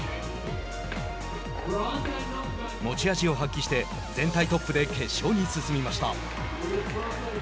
持ち味を発揮して全体トップで決勝に進みました。